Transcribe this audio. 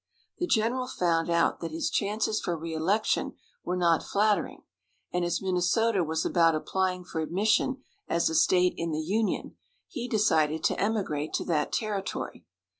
The general found out that his chances for reelection were not flattering, and as Minnesota was about applying for admission as a state in the Union, he decided to emigrate to that territory.